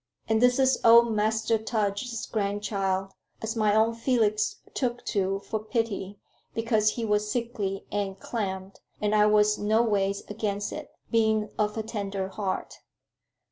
And this is old Master Tudge's grandchild, as my own Felix took to for pity because he was sickly and clemm'd, and I was noways against it, being of a tender heart.